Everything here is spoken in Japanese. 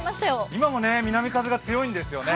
今も南風が強いんですね。